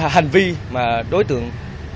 hành vi đối tượng